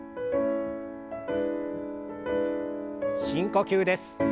深呼吸です。